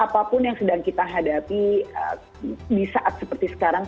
apapun yang sedang kita hadapi di saat seperti sekarang